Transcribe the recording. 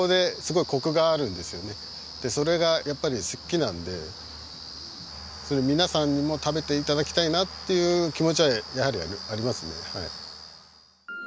それがやっぱり好きなんでそれ皆さんにも食べて頂きたいなという気持ちはやはりありますね。